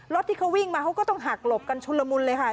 รถที่เขาวิ่งมาเขาก็ต้องหักหลบกันชุนละมุนเลยค่ะ